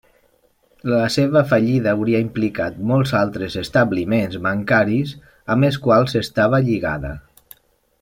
La seva fallida hauria implicat molts altres establiments bancaris amb els quals estava lligada.